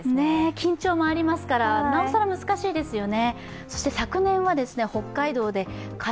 緊張もありますから、なおさら難しいですよね。